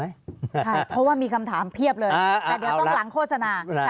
ใช่เพราะว่ามีคำถามเพียบเลยแต่เดี๋ยวต้องหลังโฆษณา